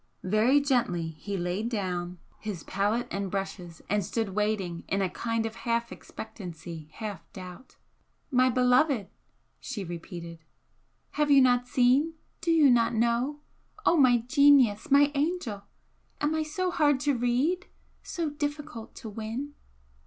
Very gently he laid down his palette and brushes and stood waiting in a kind of half expectancy, half doubt. "My beloved!" she repeated "Have you not seen? do you not know? O my genius! my angel! am I so hard to read? so difficult to win?"